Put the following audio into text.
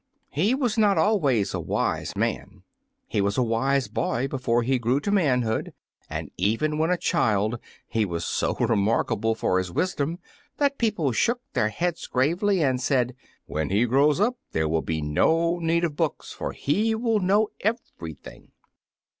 He was not always a wise man; he was a wise boy before he grew to manhood, and even when a child he was so remarkable for his wisdom that people shook their heads gravely and said, "when he grows up there will be no need of books, for he will know everything!"